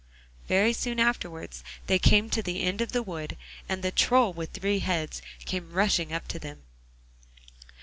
Very soon afterwards they came to the end of the wood, and the Troll with three heads came rushing up to them.